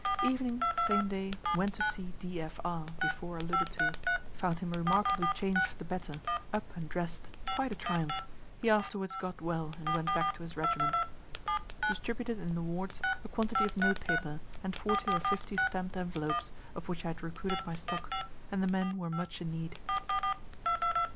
Evening, same day, went to see D. F. R., before alluded to; found him remarkably changed for the better; up and dress'd quite a triumph; he afterwards got well, and went back to his regiment. Distributed in the wards a quantity of note paper, and forty or fifty stamp'd envelopes, of which I had recruited my stock, and the men were much in need.